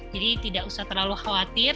jadi tidak usah terlalu khawatir